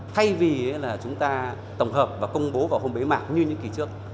thay vì chúng ta tổng hợp và công bố vào hôm bế mạng như những kỳ trước